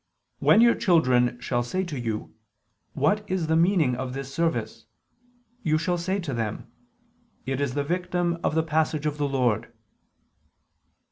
"When your children shall say to you: What is the meaning of this service? You shall say to them: It is the victim of the passage of the Lord."